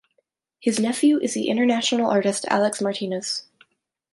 His nephew is the international artist Alex Martinez.